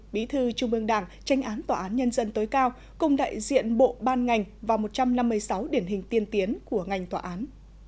bí thư trung ương đảng tranh án tòa án nhân dân tối cao cùng đại diện bộ ban ngành và một trăm năm mươi sáu điển hình tiên tiến của ngành tòa án